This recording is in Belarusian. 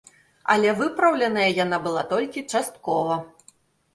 Але выпраўленая яна была толькі часткова.